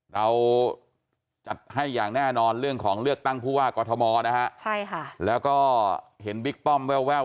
เราจัดให้อย่างแน่นอนเรื่องของเลือกตั้งผู้ว่ากอทมนะฮะใช่ค่ะแล้วก็เห็นบิ๊กป้อมแวว